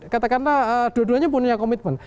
katakanlah dua duanya punya komitmen